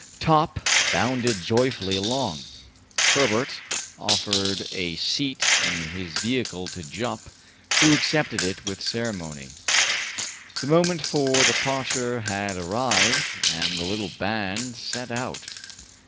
Top bounded joyfully along. Herbert offered a seat in his vehicle to Jup, who accepted it without ceremony. The moment for departure had arrived, and the little band set out.